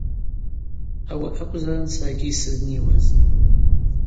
Ауи акӏвзарын саргьи йсызниуаз.